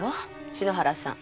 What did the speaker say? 篠原さん。